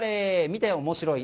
見て面白い。